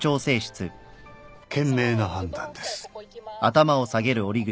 賢明な判断です。